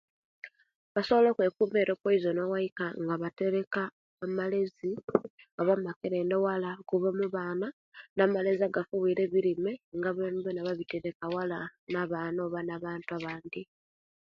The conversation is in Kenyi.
Basobola okwekuma opoizoni owaika nga batereka amalezi oba amakerenda waala okuva baana na'amalezi aga'fiyira ebirime waala na baana oba na'bantu abandi